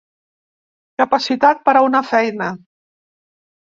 Capacitat per a una feina.